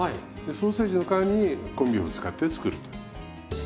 ソーセージの代わりにコンビーフを使って作ると。